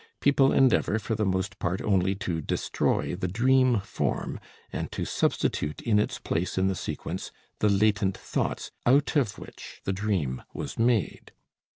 People endeavor for the most part only to destroy the dream form, and to substitute in its place in the sequence the latent thoughts out of which the dream was made.